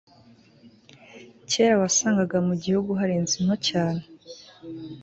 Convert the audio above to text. kera, wasangaga mu gihugu hari inzu nto cyane